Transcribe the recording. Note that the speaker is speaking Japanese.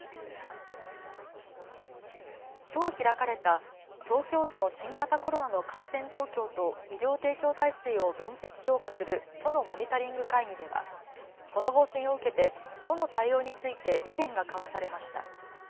きょう開かれた東京都の新型コロナの感染状況と医療提供体制を分析・評価する都のモニタリング会議ではこの方針を受けて都の対応について意見が交わされました。